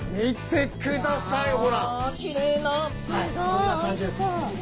こんな感じです。